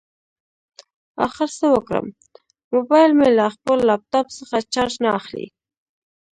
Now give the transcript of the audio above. اخر څه وکړم؟ مبایل مې له خپل لاپټاپ څخه چارج نه اخلي